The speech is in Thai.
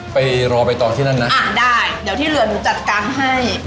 ไปรอไปต่อที่นั่นนะอ่าได้เดี๋ยวที่เหลือหนูจัดการให้